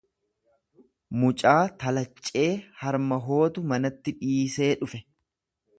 Mucaa talaccee harma hootu manatti dhiisee dhufe